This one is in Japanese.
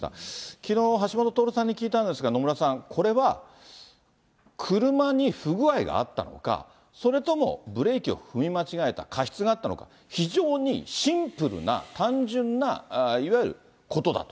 きのう、橋下徹さんに聞いたんですが、野村さん、これは車に不具合があったのか、それともブレーキを踏み間違えた、過失があったのか、非常にシンプルな単純ないわゆることだと。